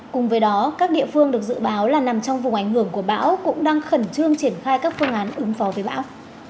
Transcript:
cùng với đó các địa phương được dự báo là nằm trong vùng ảnh hưởng của bão cũng đang khẩn trương triển khai các phương án ứng phó với bão